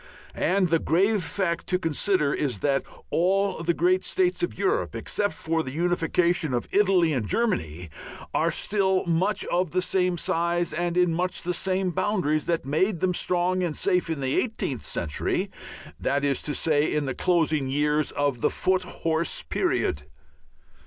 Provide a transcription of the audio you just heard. And the grave fact to consider is that all the great states of Europe, except for the unification of Italy and Germany, are still much of the size and in much the same boundaries that made them strong and safe in the eighteenth century, that is to say, in the closing years of the foot horse period.